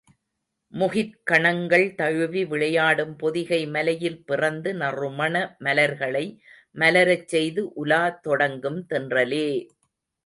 முகிற் கணங்கள் தழுவி விளையாடும் பொதிகை மலையில் பிறந்து நறுமண மலர்களை மலரச் செய்து உலா தொடங்கும் தென்றலே!